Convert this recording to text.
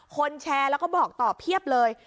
แชร์แล้วก็บอกต่อเพียบเลย